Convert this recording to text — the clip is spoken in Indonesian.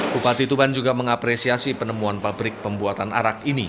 bupati tuban juga mengapresiasi penemuan pabrik pembuatan arak ini